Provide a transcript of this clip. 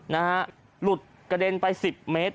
นะฮะหลุดกระเด็นไปสิบเมตร